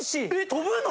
飛ぶの？